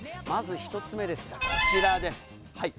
まず１つ目ですがこちらです。